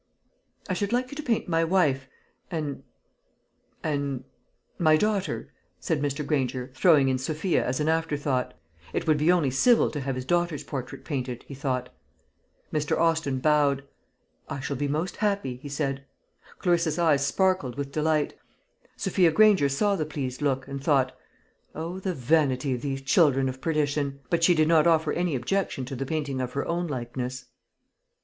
"I should like you to paint my wife and and my daughter," said Mr. Granger, throwing in Sophia as an after thought. It would be only civil to have his daughter's portrait painted, he thought. Mr. Austin bowed. "I shall be most happy," he said. Clarissa's eyes sparkled with delight. Sophia Granger saw the pleased look, and thought, "O, the vanity of these children of perdition!" But she did not offer any objection to the painting of her own likeness.